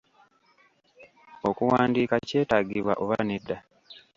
Okuwandiika kyetaagibwa oba nedda?